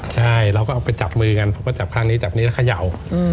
ใช่เราก็เอาไปจับมือกันผมก็จับข้างนี้จับนี้แล้วเขย่า